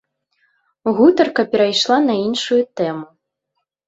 Гутарка перайшла на іншую тэму.